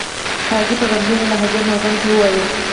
کارنګي په غمجنه لهجه مورګان ته وویل